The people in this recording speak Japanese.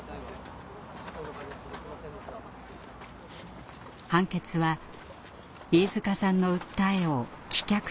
判決は飯塚さんの訴えを棄却するものでした。